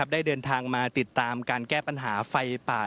ได้เดินทางมาติดตามการแก้ปัญหาไฟป่า